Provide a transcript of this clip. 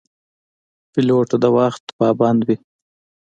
پیلوټ د وخت پابند وي.